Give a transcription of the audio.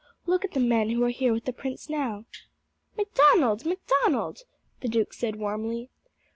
Look at the men who are here with the prince now." "Macdonald! Macdonald!" the duke said warmly.